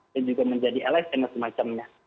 dan juga menjadi lsm dan semacamnya